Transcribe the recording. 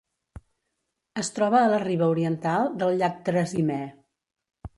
Es troba a la riba oriental del Llac Trasimè.